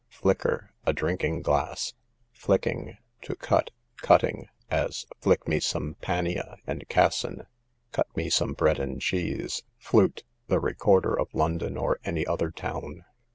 Flicker, a drinking glass. Flicking, to cut, cutting; as flick me some panea and cassan, cut me some bread and cheese. Flute, the recorder of London, or any other town.